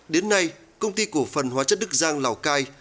đến nay công ty cổ phần hóa chất đức giang lào cai